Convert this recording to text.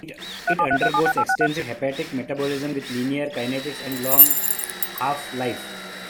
It undergoes extensive hepatic metabolism with linear kinetics and long half life.